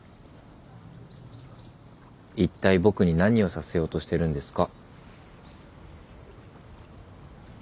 いったい僕に何をさせようとしてるんですか？